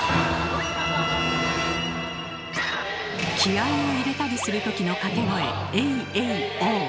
気合いを入れたりする時の掛け声「エイエイオー」。